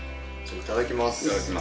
いただきます。